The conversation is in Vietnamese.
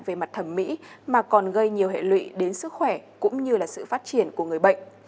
về mặt thẩm mỹ mà còn gây nhiều hệ lụy đến sức khỏe cũng như là sự phát triển của người bệnh